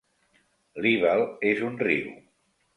L'Ivel és un riu.